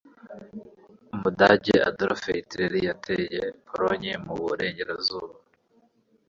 Umudage Adolf Hitler yateye Pologne mu burengerazuba